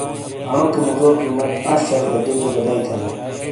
انوکے موزو قیمت انش شل گہ دوبیو گہ دئی تھینا۔